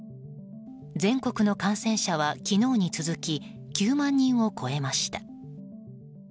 全国の感染者は昨日に続き９万人を超えました。